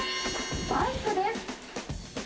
バイクです。